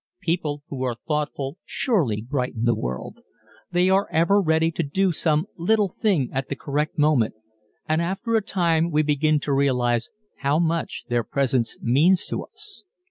People who are thoughtful surely brighten the world. They are ever ready to do some little thing at the correct moment and after a time we begin to realize how much their presence means to us.